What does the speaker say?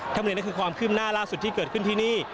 ถ้าไม่เห็นก็คือความขึ้มหน้าล่าสุดที่เกิดขึ้นที่นี่